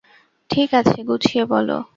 ঠিক আছে, গুছিয়ে বল।